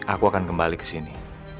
aku akan kembali kesini